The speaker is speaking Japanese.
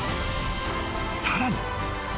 ［さらに］